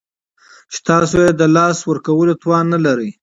چې تاسو یې د لاسه ورکولو توان نلرئ